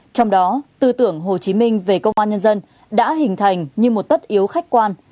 trong đó tư tưởng hồ chí minh về công an nhân dân đã hình thành như một tất yếu khách quan